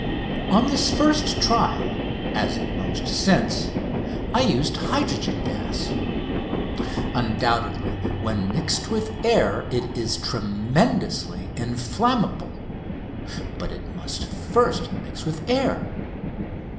On this first trial, as in most since, I used hydrogen gas. Undoubtedly when mixed with air it is tremendously inflammable but it must first mix with air.